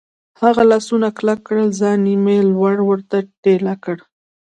لاسونه کلک کړل، ځان مې لوړ ور ټېله کړ.